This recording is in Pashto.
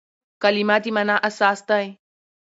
کلیمه د مانا اساس دئ.